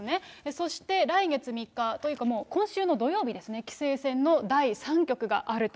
そして来月３日、というかもう今週の土曜日ですね、棋聖戦の第３局があると。